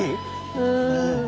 うん。